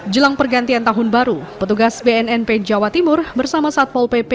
jelang pergantian tahun baru petugas bnnp jawa timur bersama satpol pp